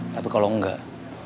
tapi kalau enggak